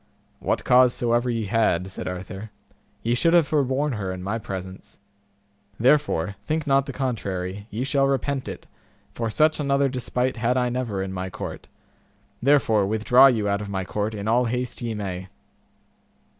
What cause soever ye had, said Arthur, ye should have forborne her in my presence; therefore, think not the contrary, ye shall repent it, for such another despite had I never in my court; therefore withdraw you out of my court in all haste ye may.